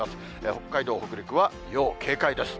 北海道、北陸は要警戒です。